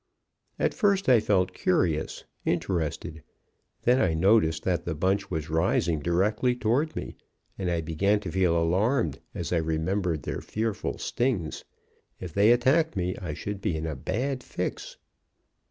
"At first I felt curious, interested. Then I noticed that the bunch was rising directly toward me, and I began to feel alarmed, as I remembered their fearful stings. If they attacked me I should be in a bad fix.